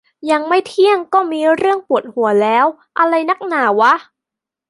ยังไม่เที่ยงก็มีเรื่องปวดหัวแล้ว อะไรนักหนาวะ